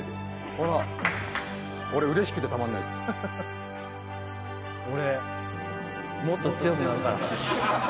俺うれしくてたまんないっす。